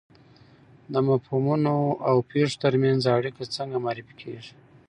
د مفهومونو او پېښو ترمنځ اړیکه څنګه معرفي کیږي؟